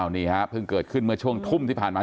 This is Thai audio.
นี่ฮะเพิ่งเกิดขึ้นเมื่อช่วงทุ่มที่ผ่านมา